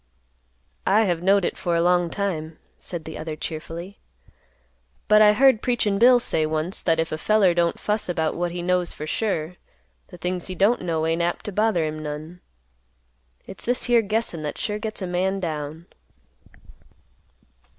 "I have knowed it for a long time," said the other cheerfully; "but I heard 'Preachin' Bill' say once, that if a feller don't fuss about what he knows for sure, the things he don't know ain't apt to bother him none. It's this here guessin' that sure gets a man down."